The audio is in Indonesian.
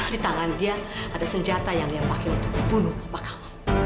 di tangan dia ada senjata yang dia pakai untuk bunuh bakal